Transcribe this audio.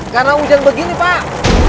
karena hujan begini pak